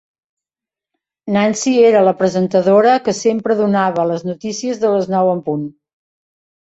Nancy era la presentadora que sempre donava les notícies de les nou en punt